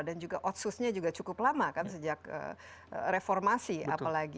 dan juga otsusnya juga cukup lama kan sejak reformasi apalagi